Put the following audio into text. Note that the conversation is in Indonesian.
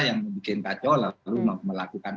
yang membuat kacau lalu melakukan